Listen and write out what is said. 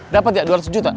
dapet ya dua ratus juta